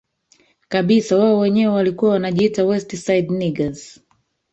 kabisa wao wenyewe walikuwa wanajiita West Side Niggaz